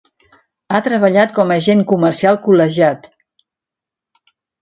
Ha treballat com a agent comercial col·legiat.